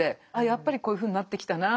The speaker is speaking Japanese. やっぱりこういうふうになってきたな。